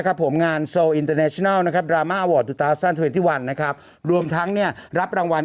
ครับผมงานโอะไรนะครับนะครับดราม่าอัวอร์ดเดียวนะครับรวมทั้งเนี้ยรับรางวัล